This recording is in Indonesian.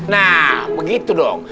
nah begitu dong